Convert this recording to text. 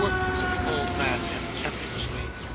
said the old man contemptuously.